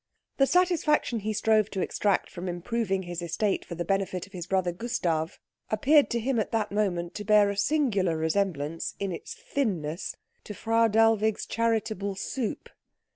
The satisfaction he strove to extract from improving his estate for the benefit of his brother Gustav appeared to him at that moment to bear a singular resemblance, in its thinness, to Frau Dellwig's charitable soup.